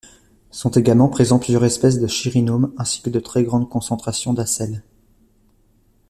Sont également présent plusieurs espèces de chironomes ainsi que de très grandes concentrations d'asselles.